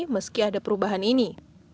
meski ada perubahan ini